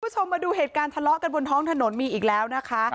คุณผู้ชมมาดูเหตุการณ์ทะเลาะกันบนท้องถนนมีอีกแล้วนะคะ